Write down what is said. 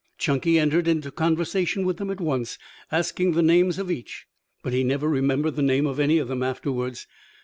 Chunky entered into conversation with them at once, asking the names of each, but he never remembered the name of any of them afterwards.